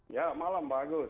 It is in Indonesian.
ya malam pak agus